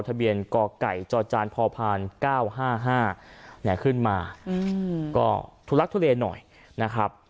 ทะเบียนกไก่จจานพภแค่๙๕๕ก็ถูกลักจะทุเรหน่อยนะครับ